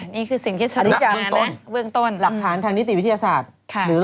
นี่คือสิ่งที่สำคัญนะเบื้องต้นอันนี้จากหลักฐานทางนิติวิทยาศาสตร์